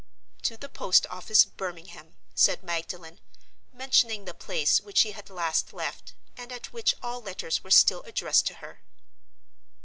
"To the post office, Birmingham," said Magdalen, mentioning the place which she had last left, and at which all letters were still addressed to her.